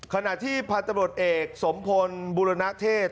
ขณะที่พันธบรวจเอกสมพลบุรณเทศ